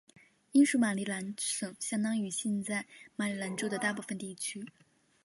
英属马里兰省相当于现在马里兰州的大部分地区。